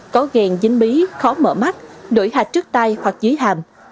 ngàn dính bí khó mở mắt đổi hạch trước tay hoặc dưới hàm